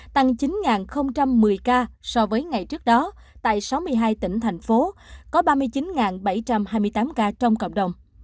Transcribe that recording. tăng chín một mươi ca so với ngày trước đó tại sáu mươi hai tỉnh thành phố có ba mươi chín bảy trăm hai mươi tám ca trong cộng đồng